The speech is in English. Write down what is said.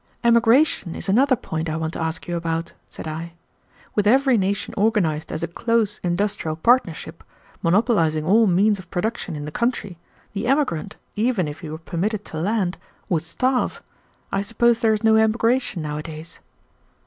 "Emigration is another point I want to ask you about," said I. "With every nation organized as a close industrial partnership, monopolizing all means of production in the country, the emigrant, even if he were permitted to land, would starve. I suppose there is no emigration nowadays."